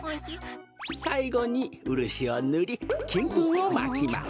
さいごにウルシをぬりきんぷんをまきます。